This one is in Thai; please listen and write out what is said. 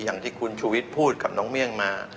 อย่างที่คุณชูวิทย์พูดกับน้องเมี่ยงมา